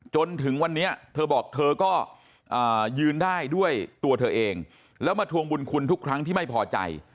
จนถึงวันนี้เธอบอกเธอก็ยืนได้ด้วยตัวเธอเองแล้วมาทวงบุญคุณทุกครั้งที่ไม่พอใจ